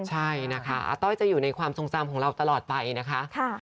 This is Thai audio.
ใช่นะคะอาต้อยจะอยู่ในความทรงจำของเราตลอดไปนะคะ